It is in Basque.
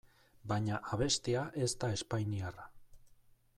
Baina abestia ez da espainiarra.